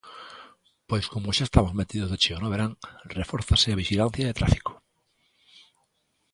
Pois como xa estamos metidos de cheo no verán, refórzase a vixilancia de tráfico.